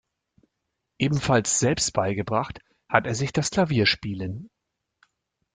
Ebenfalls selbst beigebracht hat er sich das Klavierspielen.